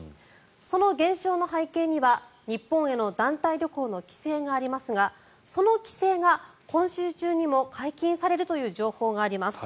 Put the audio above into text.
その減少の背景には日本への団体旅行の規制がありますがその規制が今週中にも解禁されるという情報があります。